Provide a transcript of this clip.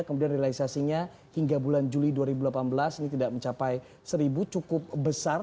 kemudian realisasinya hingga bulan juli dua ribu delapan belas ini tidak mencapai seribu cukup besar